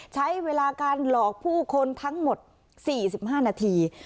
ใช้เวลาการหลอกผู้คนทั้งหมดสี่สิบห้านาที